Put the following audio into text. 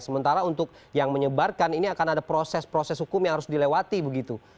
sementara untuk yang menyebarkan ini akan ada proses proses hukum yang harus dilewati begitu